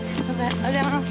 おはようございます。